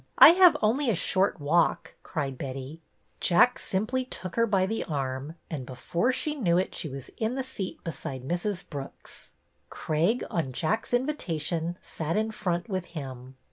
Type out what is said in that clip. I have only a short walk," cried Betty. Jack simply took her by the arm, and before she knew it she was in the seat beside Mrs. Brooks. Craig, on Jack's invitation, sat in front with him.